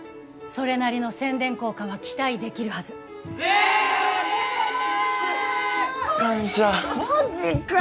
それなりの宣伝効果は期待できるはず感謝マジか！